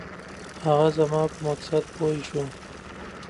هغه زما په مقصد پوی شو.